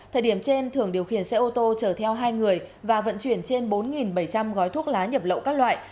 thời điểm trên thường điều khiển xe ô tô chở theo hai người và vận chuyển trên bốn bảy trăm linh gói thuốc lá nhập lậu các loại